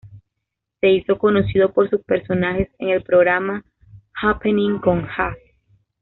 Se hizo conocido por sus personajes en el programa "Jappening con Ja".